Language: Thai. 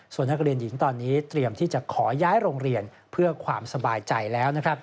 ส่วนนักเรียนหญิงตอนนี้เตรียมที่จะขอย้ายโรงเรียนเพื่อความสบายใจแล้ว